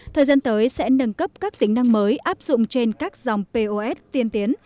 thời gian tới sẽ nâng cấp các tính năng mới áp dụng trên các dòng pos tiên tiến